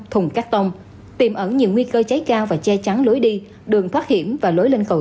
thùng cắt tông tìm ẩn nhiều nguy cơ cháy cao và che chắn lối đi đường thoát hiểm và lối lên cầu